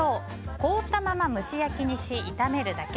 凍ったまま蒸し焼きにし炒めるだけ。